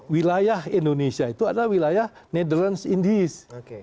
wilayah indonesia itu adalah wilayah netrans indies